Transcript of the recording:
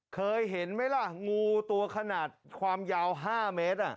เคยเห็นไหมล่ะงูตัวขนาดความยาว๕เมตร